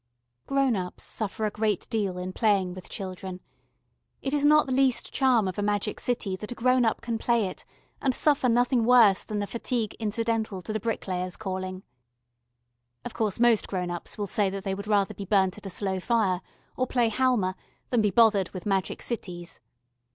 Grown ups suffer a great deal in playing with children: it is not the least charm of a magic city that a grown up can play it and suffer nothing worse than the fatigue incidental to the bricklayer's calling. Of course, most grown ups will say that they would rather be burnt at a slow fire, or play halma, than be bothered with magic cities.